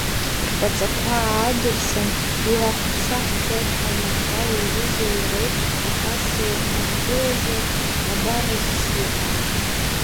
Рԥаҵақәа ааддырсан, уи ахәԥса ҳшәоит ҳәа махьал иҩызеи иареи акасса инадгылазар, абар ассир.